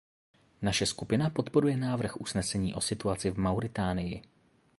Naše skupina podporuje návrh usnesení o situaci v Mauritánii.